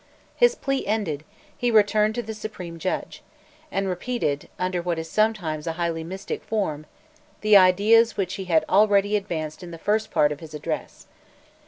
His plea ended, he returned to the supreme judge, and repeated, under what is sometimes a highly mystic form, the ideas which he had already advanced in the first part of his address.